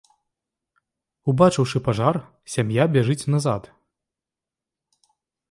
Убачыўшы пажар, сям'я бяжыць назад.